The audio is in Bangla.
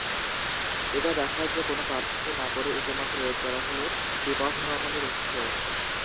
এটা দেখায় যে, কোনো পার্থক্য না করে উপমা প্রয়োগ করা হল বিপথগমনের উৎস।